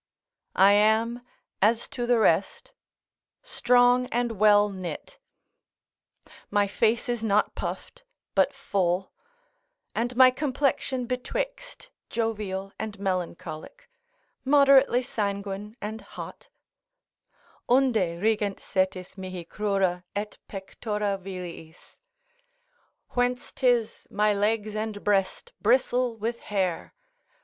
I am, as to the rest, strong and well knit; my face is not puffed, but full, and my complexion betwixt jovial and melancholic, moderately sanguine and hot, "Unde rigent setis mihi crura, et pectora villis;" ["Whence 'tis my legs and breast bristle with hair."